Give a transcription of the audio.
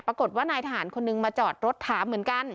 ปรากฏว่านายทหารคนนึงมาจอดรถถามเหมือนกัน